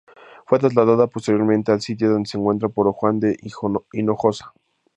Fue trasladada posteriormente al sitio donde se encuentra por Juan de Hinojosa.